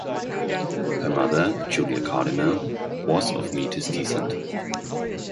Her mother, Julia Cardinal, was of Metis descent.